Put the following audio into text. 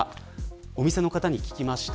お店の方に聞きました。